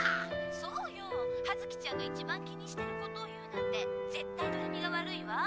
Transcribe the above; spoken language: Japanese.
「そうよ。はづきちゃんが一番気にしてることを言うなんて絶対どれみが悪いわ」。